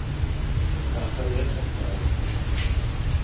Kakam ýer çapmaga gitdi